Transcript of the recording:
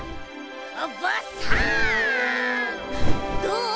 どう？